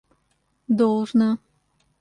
должно